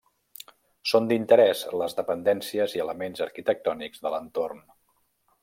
Són d'interès les dependències i elements arquitectònics de l'entorn.